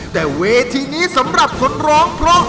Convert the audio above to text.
แต่เวทีนี้สำหรับคนร้องเพราะ